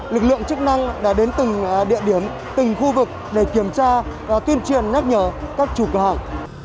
lực lượng chức năng đã đến từng địa điểm từng khu vực để kiểm tra tuyên truyền nhắc nhở các chủ cửa hàng